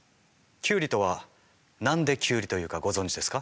キュウリとは何でキュウリというかご存じですか？